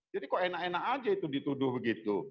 jadi kok enak enak aja itu dituduh begitu